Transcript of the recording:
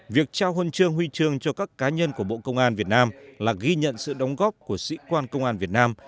việc trao hôn trương huy trương cho các cá nhân của bộ công an việt nam là ghi nhận sự đóng góp của sĩ quan công an việt nam